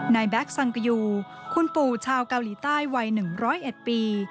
แบ็คสังกยูคุณปู่ชาวเกาหลีใต้วัย๑๐๑ปี